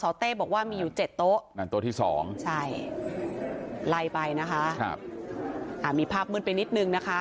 เต้บอกว่ามีอยู่เจ็ดโต๊ะนั่นโต๊ะที่สองใช่ไล่ไปนะคะมีภาพมืดไปนิดนึงนะคะ